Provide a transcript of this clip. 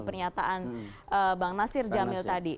pernyataan bang nasir jamil tadi